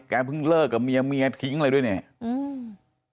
เพิ่งเลิกกับเมียเมียทิ้งอะไรด้วยเนี่ยอืม